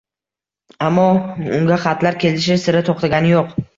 Ammo unga xatlar kelishi sira to’xtagani yo’q.